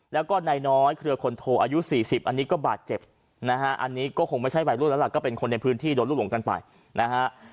แล้วก็นายน้อยเครือคนโทอายุ๔๐อันนี้ก็บาดเจ็บนะฮะอันนี้ก็คงไม่ใช่วัยรุ่นแล้วล่ะก็เป็นคนในพื้นที่โดนลูกหลงกันไปนะฮะ